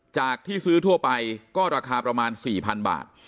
จากที่ซื้อทั่วไปก็ราคาประมาณ๔๐๐๐บาท